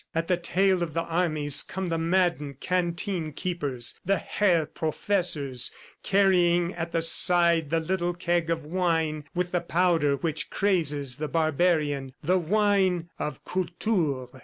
At the tail of the armies come the maddened canteen keepers, the Herr Professors, carrying at the side the little keg of wine with the powder which crazes the barbarian, the wine of Kultur.